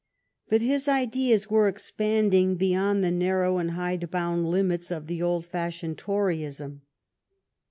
But his ideas were expanding beyond the narrow and hidebound limits of the old fashioned Toryism.